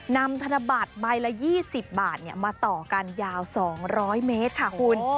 ธนบัตรใบละ๒๐บาทมาต่อกันยาว๒๐๐เมตรค่ะคุณ